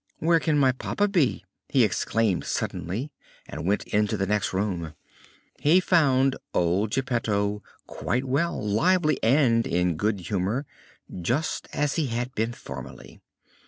"Where can my papa be?" he exclaimed suddenly, and, going into the next room, he found old Geppetto quite well, lively, and in good humor, just as he had been formerly.